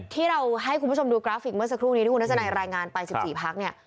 ที่เราให้คุณผู้ชมดูกราฟิกเมื่อสักครู่นี้ที่คุณทัศนัยรายงานไป๑๔พักเนี่ย